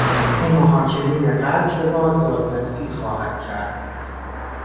او محاکمهی قتل را دادرسی خواهد کرد.